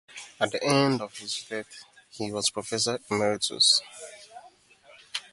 At the time of his death he was professor emeritus.